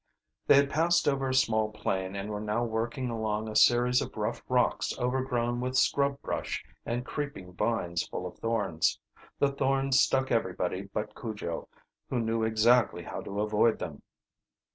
They had passed over a small plain and were now working along a series of rough rocks overgrown with scrub brush and creeping vines full of thorns. The thorns stuck everybody but Cujo, who knew exactly how to avoid them.